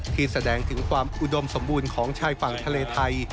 ที่แสดงถึงความอุดมสมบูรณ์ของชายฝั่งทะเลไทย